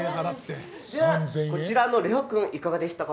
こちらのレオ君いかがでしたか？